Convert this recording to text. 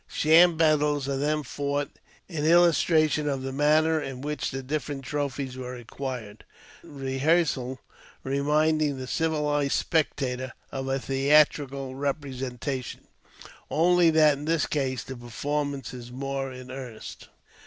Sham battles are then fought in illustration of the manner in which the differont trophies were acquired, the rehearsal reminding the civilized spectator of a theatrical representation, only that in this case the per formance is more in earnest.